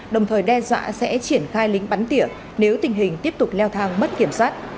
đồng thời đe dọa sẽ triển khai lính bắn tiể nếu tình hình tiếp tục leo thang mất kiểm soát